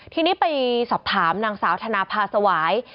ทีนี้ไปสอบถามนางสาวธนภาสวาย